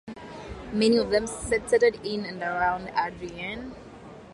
Many of them settled in and around Adrian.